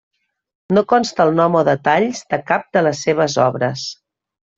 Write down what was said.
No consta el nom o detalls de cap de les seves obres.